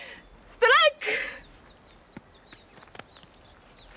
ストライク！